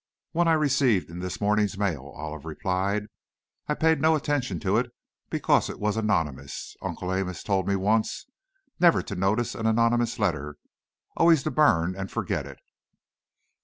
"One I received in this morning's mail," Olive replied; "I paid no attention to it, because it was anonymous. Uncle Amos told me once never to notice an anonymous letter, always to burn and forget it."